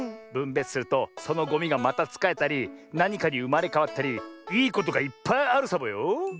ぶんべつするとそのゴミがまたつかえたりなにかにうまれかわったりいいことがいっぱいあるサボよ。